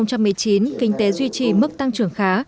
năm hai nghìn một mươi chín kinh tế duy trì mức tăng trưởng khá